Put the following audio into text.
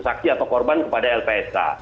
saksi atau korban kepada lpsk